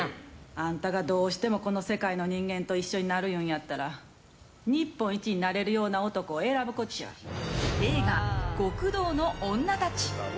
あんたがどうしてもこの世界の人間と一緒になるん言うなら日本一になれるような男を映画「極道の妻たち」